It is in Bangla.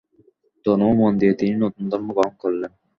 তনু ও মন দিয়ে তিনি নতুন ধর্ম গ্রহণ করলেন।